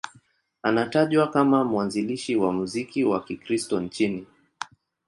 Anatajwa kama mwanzilishi wa muziki wa Kikristo nchini.